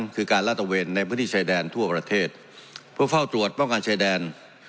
คือการลาดตะเวนในพื้นที่ชายแดนทั่วประเทศเพื่อเฝ้าตรวจป้องกันชายแดน